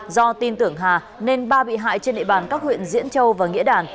do tin tưởng hà nên ba bị hại trên địa bàn các huyện diễn châu và nghệ đàn